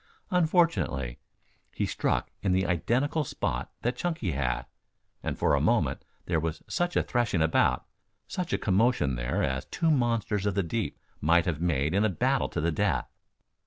Unfortunately, he struck in the identical spot that Chunky had, and for a moment there was such a threshing about, such a commotion there as two monsters of the deep might have made in a battle to the death.